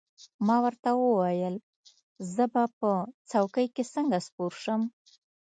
ما ورته وویل: زه به په څوکۍ کې څنګه سپور شم؟